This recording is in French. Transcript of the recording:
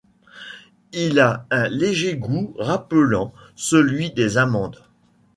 Il a un léger goût rappelant celui des amandes.